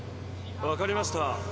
わかりました。